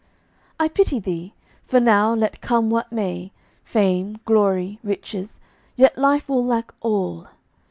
I pity thee; for now, let come what may, Fame, glory, riches, yet life will lack all.